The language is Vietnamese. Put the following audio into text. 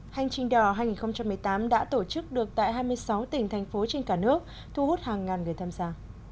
hành trình đỏ hai nghìn một mươi tám đã tổ chức được tại hai mươi sáu tỉnh thành phố trên cả nước thu hút hàng ngàn người tham gia